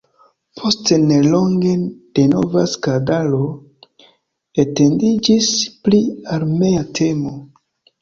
Post nelonge denova skandalo etendiĝis pri armea temo.